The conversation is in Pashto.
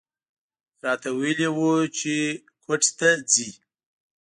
راته ویلي و چې کویټې ته ځي.